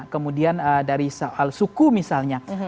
kemudian dari soal suku misalnya